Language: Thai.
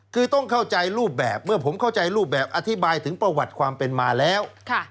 คือต้องเข้าใจรูปแบบเมื่อผมเข้าใจรูปแบบอธิบายถึงประวัติความเป็นมาแล้ว